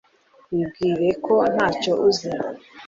Wibwire ko ntacyo uzi